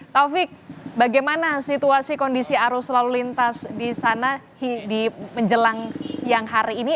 taufik bagaimana situasi kondisi arus lalu lintas di sana di menjelang siang hari ini